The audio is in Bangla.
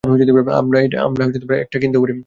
আমরা একটা কিনতেও পারি।